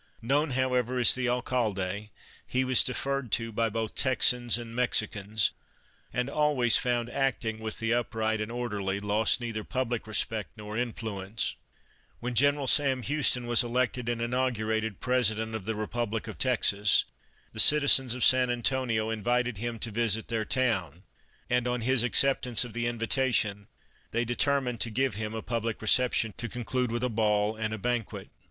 Known, however, as the Alcalde, he was deferred to by both Texans and Mexicans, and, always found acting with the upright and orderly, lost neither public respect nor influence. 92 The Alcalde's Daughter When General Sam Houston was elected and in augurated President of the Republic of Texas the citizens of San Antonio invited him to visit their town, and, on his acceptance of the invitation, they determined to give him a public reception to con clude with a ball and banquet.